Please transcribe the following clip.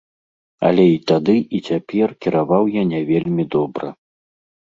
Але і тады, і цяпер кіраваў я не вельмі добра.